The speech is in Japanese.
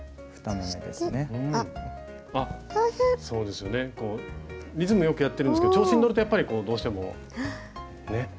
そうですよねリズムよくやってるんですけど調子に乗るとやっぱりこうどうしてもね。